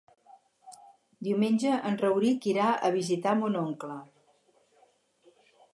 Diumenge en Rauric irà a visitar mon oncle.